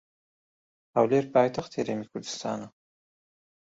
هەولێر پایتەختی هەرێمی کوردستانە.